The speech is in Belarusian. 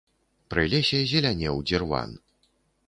Пры лесе зелянеў дзірван.